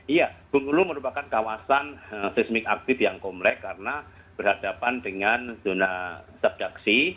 iya bengkulu merupakan kawasan seismik aktif yang komplek karena berhadapan dengan zona subdaksi